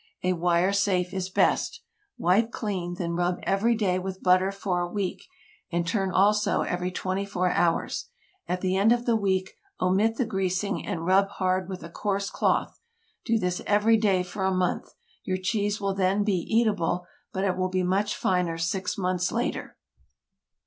A wire safe is best. Wipe clean; then rub every day with butter for a week, and turn also every twenty four hours. At the end of the week, omit the greasing, and rub hard with a coarse cloth. Do this every day for a month. Your cheese will then be eatable, but it will be much finer six months later.